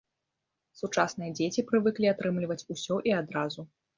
Сучасныя дзеці прывыклі атрымліваць усё і адразу.